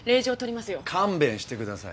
勘弁してください。